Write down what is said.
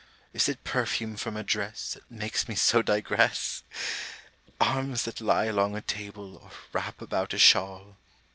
Is it perfume from a dress That makes me so digress? Arms that lie along a table, or wrap about a shawl.